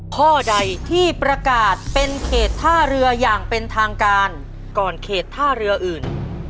ข้อใดที่ประกาศเป็นเขตท่าเรืออย่างเป็นทางการก่อนเขตท่าเรืออื่น